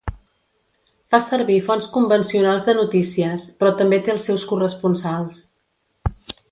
Fa servir fonts convencionals de notícies, però també té els seus corresponsals.